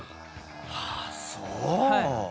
ああそう。